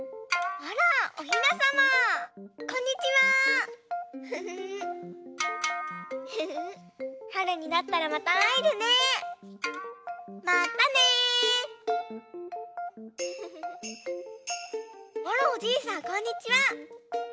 あらおじいさんこんにちは！